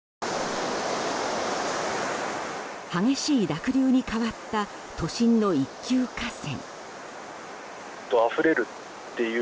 激しい濁流に変わった都心の一級河川。